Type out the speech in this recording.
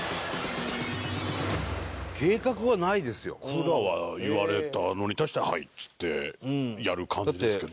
僕らは言われたのに対して「はい」っつってやる感じですけど。